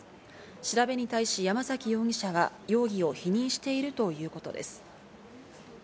調べに対し山崎容疑者は容疑を否認しているということです。